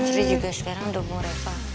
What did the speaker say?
serius guys sekarang udah mau repa